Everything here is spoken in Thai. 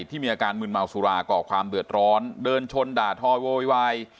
ที่มีอาการมืนเมาสุราก่อความเดือดร้อนเดินชนด่าทอโวยวาย